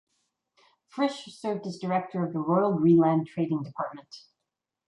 Frisch served as director of the Royal Greenland Trading Department.